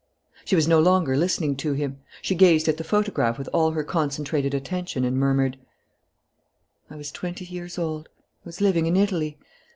She was no longer listening to him. She gazed at the photograph with all her concentrated attention and murmured: "I was twenty years old.... I was living in Italy.